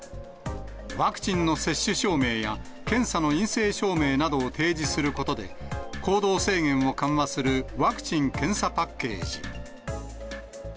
ワクチンの接種証明や、検査の陰性証明などを提示することで、行動制限を緩和するワクチン・検査パッケージ。